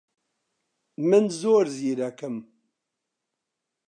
من زۆر زیرەکم.